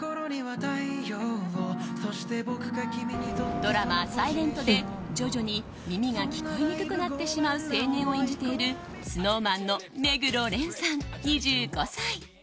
ドラマ「ｓｉｌｅｎｔ」で徐々に耳が聞こえにくくなってしまう青年を演じているＳｎｏｗＭａｎの目黒蓮さん２５歳。